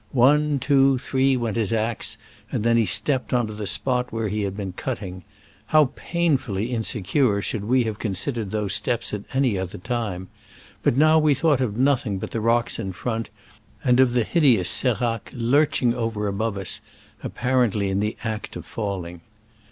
One, two, three, went his axe, and then he stepped on to the spot where he had been cut ting. How painfully insecure should we have considered those steps at any other time ! But now we thought of nothing but the rocks in front, and of the hid eous seracs, lurching over above us, apparently in the act of falling.